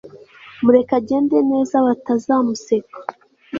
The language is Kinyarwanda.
mureke agende neza batazamuseka